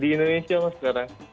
di indonesia mas sekarang